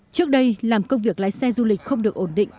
trước đây làm công việc lái xe du lịch không được ổn định